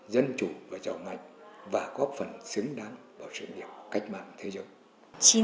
dân chủ và cháu mạnh và góp phần xứng đáng vào sự nghiệp cách mạng thế giới